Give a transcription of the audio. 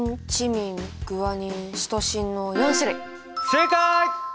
正解！